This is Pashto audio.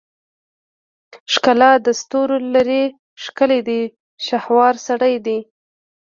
ښکلا دستورولري ښکلی دی شهوار سړی دی